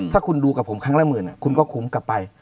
ถ้าคุณดูกับผมครั้งละหมื่นคุณก็คุ้มกลับไป